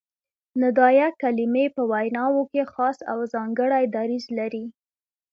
ندائیه کلیمې په ویناوو کښي خاص او ځانګړی دریځ لري.